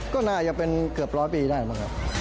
ก็น่าจะเป็นเกือบร้อยปีได้หรือเปล่าครับ